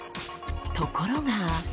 ところが。